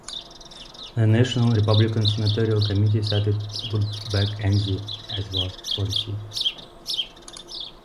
The National Republican Senatorial Committee said it would back Enzi, as was policy.